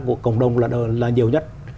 của cộng đồng là nhiều nhất